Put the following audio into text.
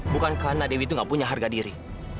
bukan karena dewi itu gak punya harga diri